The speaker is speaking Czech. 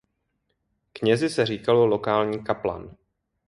Knězi se říkalo lokální kaplan.